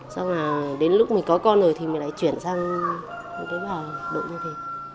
xong là đến lúc mình có con rồi thì mình lại chuyển sang một cái màu đậu như thế